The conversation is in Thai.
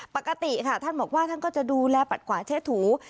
ปกติค่ะท่านบอกว่าท่านก็จะดูแลปัดขวาเชษถู